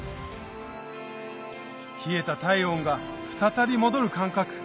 冷えた体温が再び戻る感覚